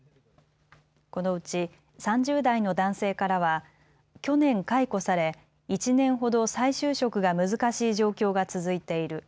このうち３０代の男性からは去年、解雇され１年ほど再就職が難しい状況が続いている。